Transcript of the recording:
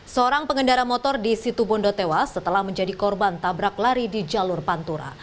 seorang pengendara motor di situ bondo tewas setelah menjadi korban tabrak lari di jalur pantura